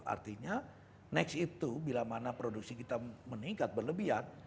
artinya next itu bila mana produksi kita meningkat berlebihan